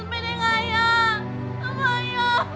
ทำไม